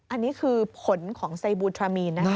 อันนี้คือผลของไซบูทรามีนนะคะ